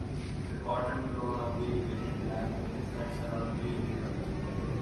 The cotton is grown on the irrigated black plains that surround the area.